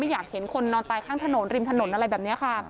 อยากเห็นคนนอนตายข้างถนนริมถนนอะไรแบบนี้ค่ะ